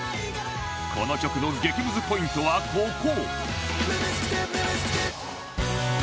この曲の激ムズポイントはここ！